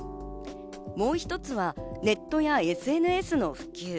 もう一つはネットやＳＮＳの普及。